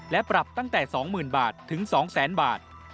และปรับตั้งแต่๒๐๐๐บาทถึง๒๐๐๐บาท